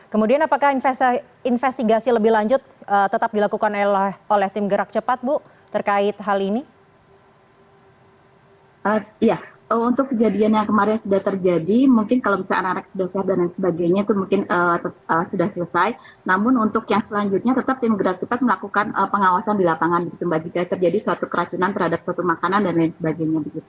kemudian apakah investigasi lebih lanjut tetap dilakukan oleh tim gerak cepat bu